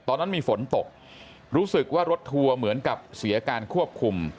ตอนนั้นมีฝนตกรู้สึกว่ารถทัวร์เหมือนกับเสียการควบคุม